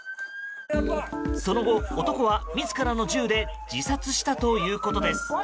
その後、男は自らの銃で自殺したということです。